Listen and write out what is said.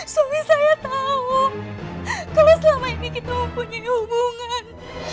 suami saya tahu kalau selama ini kita mempunyai hubungan